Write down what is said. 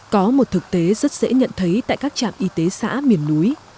có một thực tế rất dễ nhận thấy tại các trạm y tế xã miền núi